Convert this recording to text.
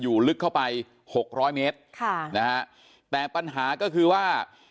ลึกเข้าไปหกร้อยเมตรค่ะนะฮะแต่ปัญหาก็คือว่า